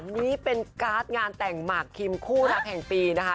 นี่เป็นการ์ดงานแต่งหมากคิมคู่รักแห่งปีนะคะ